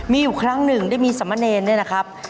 มีอยู่ครั้งหนึ่งได้มีสมเนรเนี่ยนะครับ